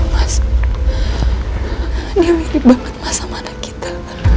mas dia mirip banget sama anak kita